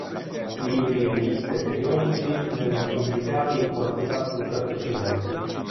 Libri, riviste e periodici vengono pubblicati in quantità senza precedenti.